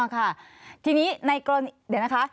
ค่ะทีนี้ในกรณีเดี๋ยวนะคะ